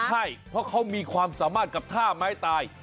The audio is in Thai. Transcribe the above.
ใช่เพราะเขามีความสามารถกับท่าไม้ตาย